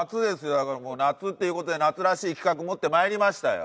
だからこう夏っていう事で夏らしい企画持って参りましたよ。